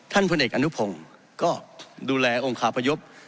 พลเอกอนุพงศ์ก็ดูแลองคาพยพ